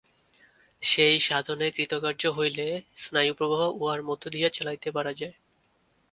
সেই সাধনে কৃতকার্য হইলে স্নায়ুপ্রবাহ উহার মধ্য দিয়া চালাইতে পারা যায়।